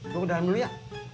gue ke dalam dulu ya